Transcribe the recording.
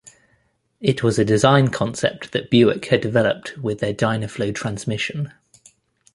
It was a design concept that Buick had developed with their Dynaflow transmission.